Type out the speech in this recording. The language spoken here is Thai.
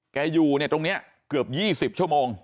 แกอยู่ตรงนี้เกือบ๒๐ชั่วโมง